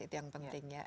itu yang penting ya